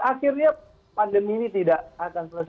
akhirnya pandemi ini tidak akan selesai